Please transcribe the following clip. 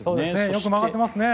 よく曲がってますね。